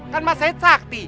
kan mas sahid sakti